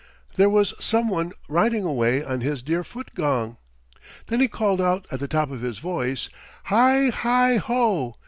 There was some one riding away on his dear Feetgong. Then he called out at the top of his voice: "Hie! Hie! Ho!